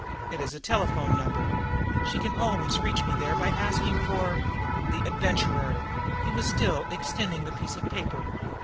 It is a telephone number. She can always reach me there by asking for the Adventurer." He was still extending the piece of paper.